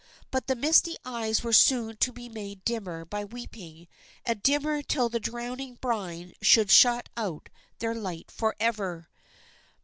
But the misty eyes were soon to be made dimmer by weeping, and dimmer till the drowning brine should shut out their light for ever.